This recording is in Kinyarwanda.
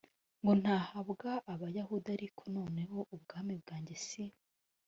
ngo ntahabwa abayahudi ariko noneho ubwami bwanjye si